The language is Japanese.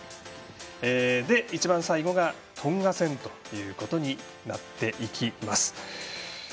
そして、一番最後がトンガ戦ということになっていきます。